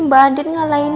mau ke makam nidih